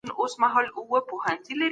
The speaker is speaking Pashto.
ډیپلوماټان ولي د سولي تړونونه لاسلیک کوي؟